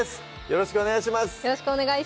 よろしくお願いします